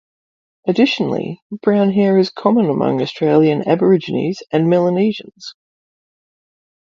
Additionally, brown hair is common among Australian Aborigines and Melanesians.